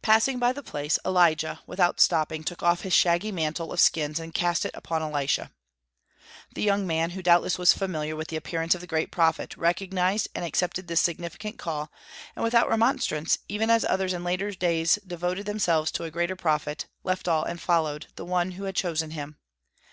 Passing by the place, Elijah, without stopping, took off his shaggy mantle of skins, and cast it upon Elisha. The young man, who doubtless was familiar with the appearance of the great prophet, recognized and accepted this significant call, and without remonstrance, even as others in later days devoted themselves to a greater Prophet, "left all and followed" the one who had chosen him.